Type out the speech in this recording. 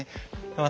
私